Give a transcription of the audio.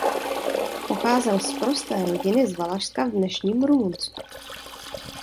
Pocházel z prosté rodiny z Valašska v dnešním Rumunsku.